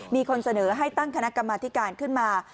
มีคนเสนอให้ตั้งคณะกรรมธิการขึ้นมา